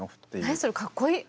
何それかっこいい。